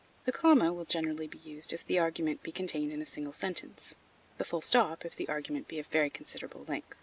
The comma will generally be used if the argument be contained in a single sentence; the full stop, if the argument be of very considerable length.